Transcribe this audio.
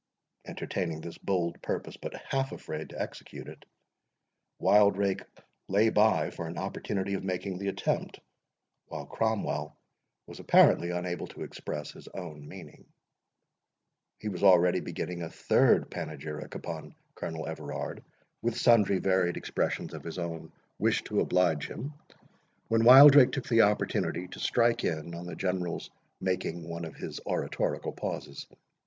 Entertaining this bold purpose, but half afraid to execute it, Wildrake lay by for an opportunity of making the attempt, while Cromwell was apparently unable to express his own meaning. He was already beginning a third panegyric upon Colonel Everard, with sundry varied expressions of his own wish to oblige him, when Wildrake took the opportunity to strike in, on the General's making one of his oratorical pauses.